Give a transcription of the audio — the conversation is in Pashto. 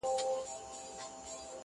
چي نه شوروي د پاولیو نه شرنګی د غاړګیو -